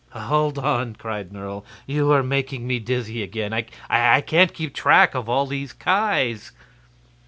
"Hold on!" cried Nerle; "you are making me dizzy again. I can't keep track of all these Kis."